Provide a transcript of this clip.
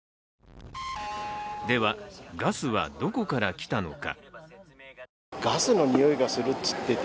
では、ガスはどこから来たのか。